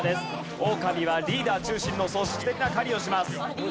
オオカミはリーダー中心の組織的な狩りをします。